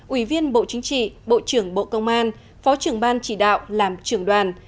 ủy viên bộ chính trị bộ trưởng bộ công an phó trưởng ban chỉ đạo làm trưởng đoàn